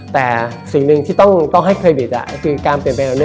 แต่สิ่งนึงที่ต้องให้คลิวิตคือการเปลี่ยนเปลี่ยนอันนี้